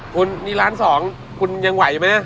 คุณนี่ล้านสองคุณยังไหวไหม